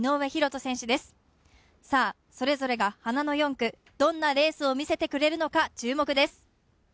それぞれが花の４区、どんなレースを見せてくれるのか注目です。